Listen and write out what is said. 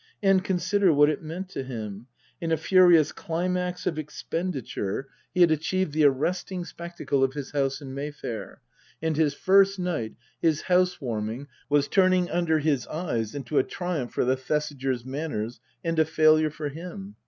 And consider what it meant to him. In a furious climax of expenditure he 13 194 Tasker Jevons had achieved the arresting spectacle of his house in Mayf air, and his first night, his house warming, was turning under his eyes into a triumph for the Thesigers' manners and a failure for him.